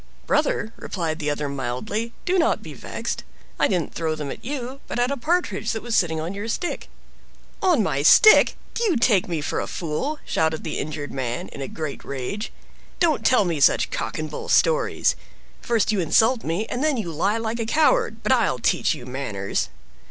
"Brother," replied the other mildly, "do not be vexed. I didn't throw them at you, but at a Partridge that was sitting on your stick." "On my stick! Do you take me for a fool?" shouted the injured man, in a great rage. "Don't tell me such cock and bull stories. First you insult me, and then you lie like a coward; but I'll teach you manners!"